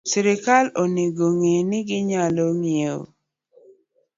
Sirkal onego ong'e ni ginyalo ng'iewo